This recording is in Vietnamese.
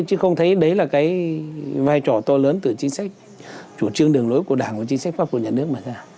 chứ không thấy đấy là cái vai trò to lớn từ chính sách chủ trương đường lối của đảng và chính sách pháp của nhà nước mà ra